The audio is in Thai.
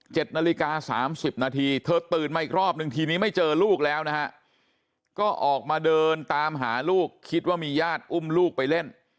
นาฬิกาสามสิบนาทีเธอตื่นมาอีกรอบนึงทีนี้ไม่เจอลูกแล้วนะฮะก็ออกมาเดินตามหาลูกคิดว่ามีญาติอุ้มลูกไปเล่น